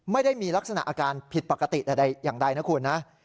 ไม่ได้มีลักษณะอาการผิดปกติแต่อย่างใดนะคุณนะ